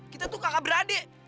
kita tuh kakak berade